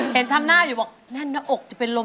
เห็นทำหน้าอยู่บอกแน่นหน้าอกจะเป็นลม